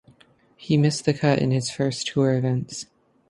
He missed the cut in his first tour events.